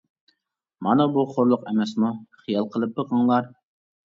مانا بۇ خورلۇق ئەمەسمۇ؟ خىيال قىلىپ بېقىڭلار، .